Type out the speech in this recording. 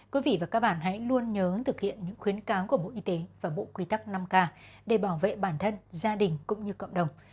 quý vị và các bạn hãy luôn nhớ thực hiện những khuyến cáo của bộ y tế và bộ quy tắc năm k để bảo vệ bản thân gia đình cũng như cộng đồng